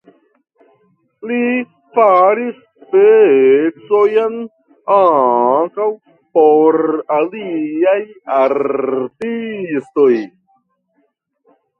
Li faris pecojn ankaŭ por aliaj artistoj.